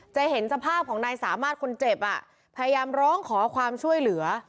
เห็นสภาพของนายสามารถคนเจ็บอ่ะพยายามร้องขอความช่วยเหลือ